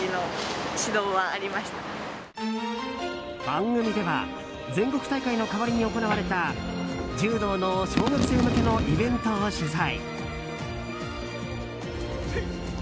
番組では全国大会の代わりに行われた柔道の小学生向けのイベントを取材。